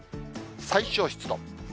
最小湿度。